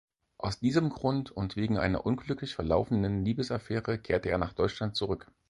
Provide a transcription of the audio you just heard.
Aus diesem Grund und wegen einer unglücklich verlaufenen Liebesaffäre kehrte er nach Deutschland zurück.